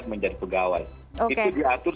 menjadi pegawai itu diatur